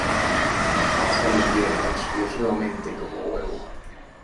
Pasa el invierno exclusivamente como huevo.